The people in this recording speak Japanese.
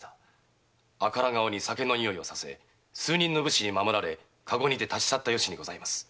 赤ら顔に酒の匂いをさせ数人の武士に守られ駕籠にて立ち去った由にございます。